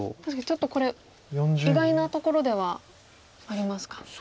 確かにちょっとこれ意外なところではありますか。